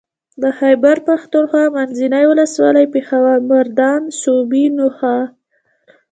د خېبر پښتونخوا منځنۍ ولسوالۍ پېښور مردان صوابۍ نوښار